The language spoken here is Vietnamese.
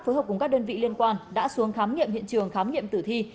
phối hợp cùng các đơn vị liên quan đã xuống khám nghiệm hiện trường khám nghiệm tử thi